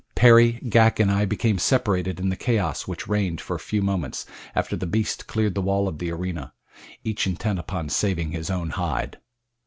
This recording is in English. Perry, Ghak, and I became separated in the chaos which reigned for a few moments after the beast cleared the wall of the arena, each intent upon saving his own hide.